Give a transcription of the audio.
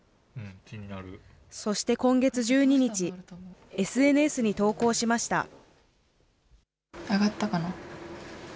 そして今月１２日、ＳＮＳに投稿しました。